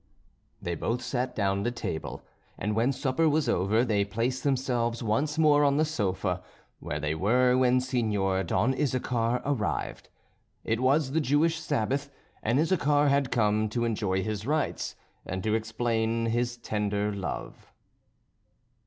They both sat down to table, and, when supper was over, they placed themselves once more on the sofa; where they were when Signor Don Issachar arrived. It was the Jewish Sabbath, and Issachar had come to enjoy his rights, and to explain his tender love.